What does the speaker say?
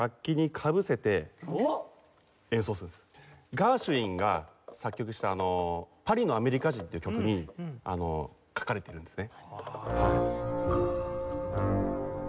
ガーシュウィンが作曲した『パリのアメリカ人』っていう曲に書かれているんですね。